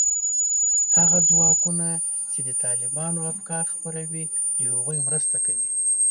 هغه ځواکونو چې د طالبانو افکار خپروي، د هغوی مرسته کوي